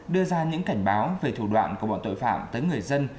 đưa ra những cảnh báo về thủ đoạn của bọn tội phạm tới người dân